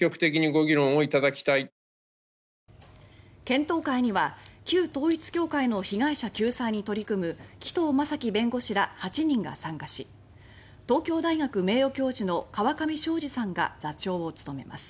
検討会には、旧統一教会の被害者救済に取り組む紀藤正樹弁護士ら８人が参加し東京大学名誉教授の河上正二さんが座長を務めます。